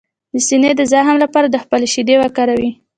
د سینې د زخم لپاره د خپلې شیدې وکاروئ